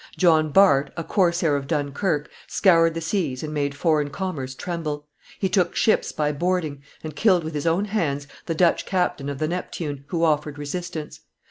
John Bart, a corsair of Dunkerque, scoured the seas and made foreign commerce tremble; he took ships by boarding, and killed with his own hands the Dutch captain of the Neptune, who offered resistance.